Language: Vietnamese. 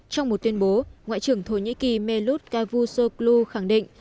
trong một tuyên bố ngoại trưởng thổ nhĩ kỳ melut cavusoglu khẳng định